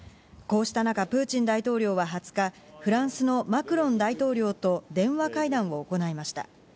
こうした中プーチン大統領は２０日フランスのマクロン大統領と電話会談を行いました。